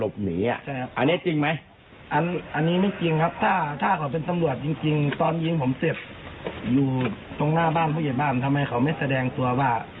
ผมก็สงสัยตรงนี้ครับ